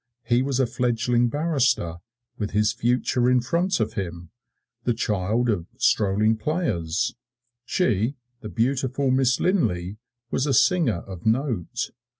He was a fledgling barrister, with his future in front of him, the child of "strolling players"; she, the beautiful Miss Linlay, was a singer of note.